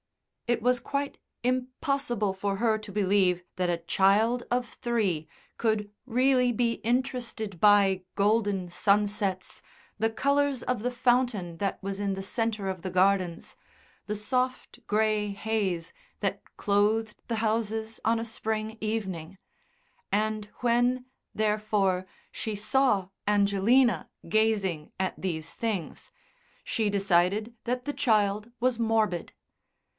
It was quite impossible for her to believe that a child of three could really be interested by golden sunsets, the colours of the fountain that was in the centre of the gardens, the soft, grey haze that clothed the houses on a spring evening; and when, therefore, she saw Angelina gazing at these things, she decided that the child was morbid.